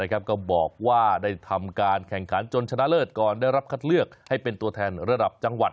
ก็บอกว่าได้ทำการแข่งขันจนชนะเลิศก่อนได้รับคัดเลือกให้เป็นตัวแทนระดับจังหวัด